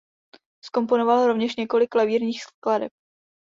Zkomponoval rovněž několik klavírních skladeb.